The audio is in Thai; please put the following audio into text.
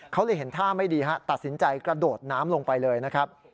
เขาเลยเห็นท่าไม่ดีฮะตัดสินใจกระโดดน้ำลงไปเลยนะครับ